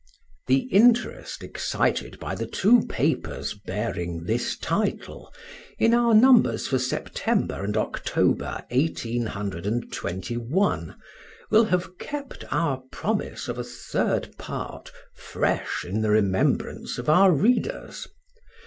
The interest excited by the two papers bearing this title, in our numbers for September and October 1821, will have kept our promise of a Third Part fresh in the remembrance of our readers.